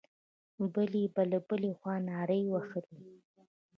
بل به له بلې خوا نارې وهلې.